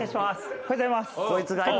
おはようございます。